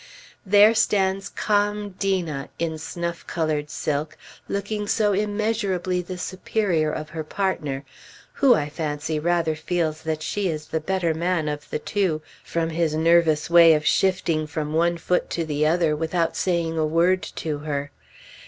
There stands calm Dena in snuff colored silk, looking so immeasurably the superior of her partner, who, I fancy, rather feels that she is the better man of the two, from his nervous way of shifting from one foot to the other, without saying a word to her.